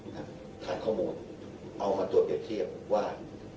ขาดข้อมูลเอามาตรวจเปรียบเทียบว่า